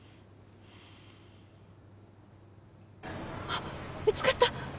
はっ見つかった！